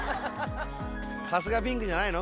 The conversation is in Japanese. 春日ピンクじゃないの？